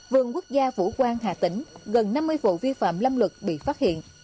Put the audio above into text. vườn quốc gia vũ quang hà tĩnh gần năm mươi vụ vi phạm lâm lực bị phát hiện